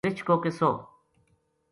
رچھ کو قصو